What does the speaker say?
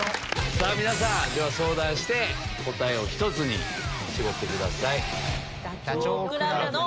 さぁ皆さん相談して答えを１つに絞ってください。